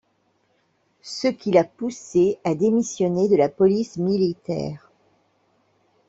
Ce qui l'a poussé à démissionner de la police militaire.